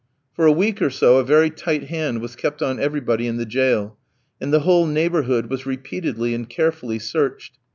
For a week or so a very tight hand was kept on everybody in the jail, and the whole neighbourhood was repeatedly and carefully searched.